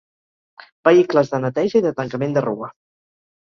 Vehicles de neteja i de tancament de rua.